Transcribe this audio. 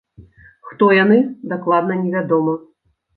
Хто яны, дакладна невядома.